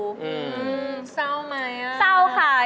อืมเศร้าไหมอ่ะเศร้าค่ะ